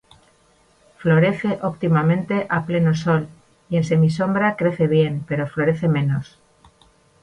Florece óptimamente a pleno sol, y en semisombra crece bien, pero florece menos.